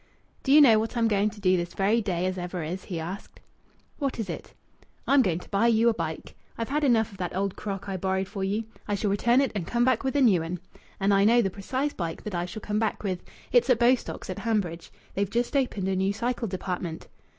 "Do you know what I'm going to do this very day as ever is?" he asked. "What is it?" "I'm going to buy you a bike. I've had enough of that old crock I borrowed for you. I shall return it and come back with a new 'un. And I know the precise bike that I shall come back with. It's at Bostock's at Hanbridge. They've just opened a new cycle department."